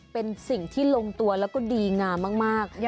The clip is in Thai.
เป็นสิ่งที่ลงตัวแล้วก็ดีงามมาก